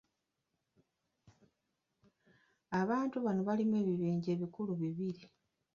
Abantu bano balimu ebibinja ebikulu bibiri.